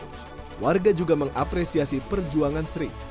tetapi juga warga juga mengapresiasi perjuangan sri